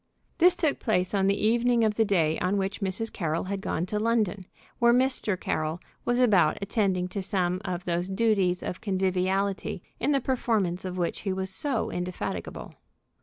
This took place on the evening of the day on which Mrs. Carroll had gone to London, where Mr. Carroll was about attending to some of those duties of conviviality in the performance of which he was so indefatigable.